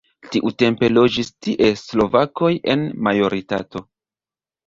Tiutempe loĝis tie slovakoj en majoritato.